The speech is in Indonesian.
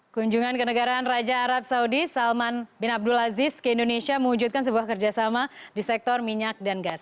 kunjungan ke negaraan raja arab saudi salman bin abdulaziz ke indonesia mewujudkan sebuah kerjasama di sektor minyak dan gas